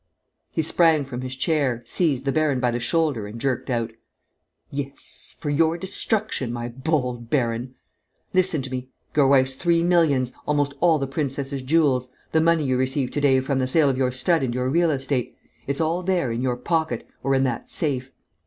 He sprang from his chair, seized the baron by the shoulder and jerked out: "Yes, for your destruction, my bold baron! Listen to me! Your wife's three millions, almost all the princess's jewels, the money you received to day from the sale of your stud and your real estate: it's all there, in your pocket, or in that safe.